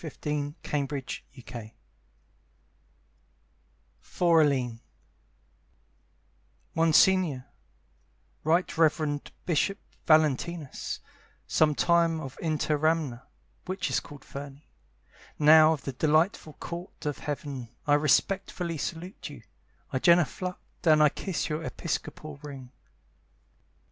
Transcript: A Blue Valentine (For Aline) Monsignore, Right Reverend Bishop Valentinus, Sometime of Interamna, which is called Ferni, Now of the delightful Court of Heaven, I respectfully salute you, I genuflect And I kiss your episcopal ring.